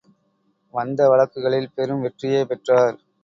வந்த வழக்குகளில் பெரும் வெற்றியே பெற்றார்.